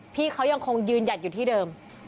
พี่เขายังคงยืนหยัดอยู่ที่เดิม